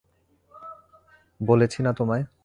বলেছি না তোমায়?